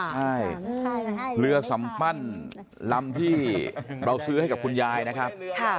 ใช่เรือสัมปั้นลำที่เราซื้อให้กับคุณยายนะครับ